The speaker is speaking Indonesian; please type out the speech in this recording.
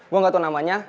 gue gak tau namanya